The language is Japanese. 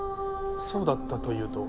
そうだったというと？